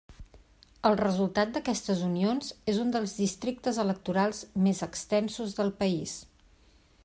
El resultat d'aquestes unions és un dels districtes electorals més extensos del país.